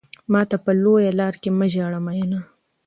ماته په لويه لار کې مه ژاړه ميننه